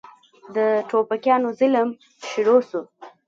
د ټوپکيانو ظلم شروع سو.